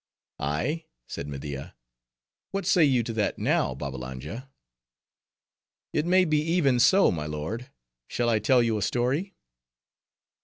"Ay?" said Media, "what say you to that, now, Babbalanja?" "It may be even so, my lord. Shall I tell you a story?"